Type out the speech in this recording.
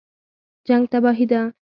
جنګ تباهي ده